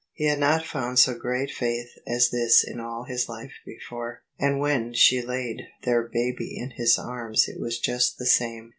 He had not foimd so great faith as this in all his life before. And when she laid their baby in his arms it wa^ just the same.